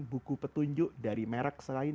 buku petunjuk dari merek selain